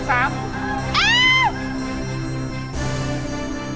อ้าว